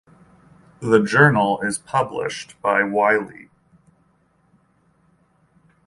The journal is published by Wiley.